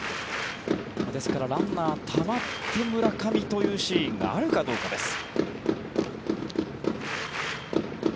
ですからランナー、たまって村上というシーンがあるかどうかです。